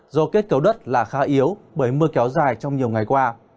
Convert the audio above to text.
do kết cấu đất là khá yếu bởi mưa kéo dài trong nhiều ngày qua